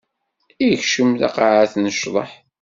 Ikcem taqaɛet n ccḍeḥ.